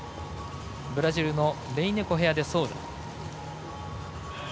ブラジルのレイネコヘアデソウザ。